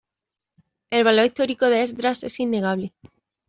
El valor histórico de Esdras es innegable.